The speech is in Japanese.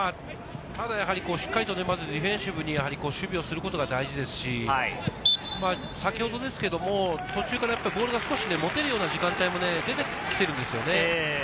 しっかりとディフェンシブに守備をすることが大事ですし、先ほどですが、途中からボールが少し持てるような時間帯も出てきているんですよね。